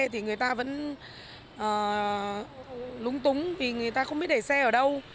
thì người ta vẫn lúng túng vì người ta không biết để xe ở đâu